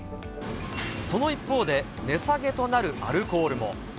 その一方で、値下げとなるアルコールも。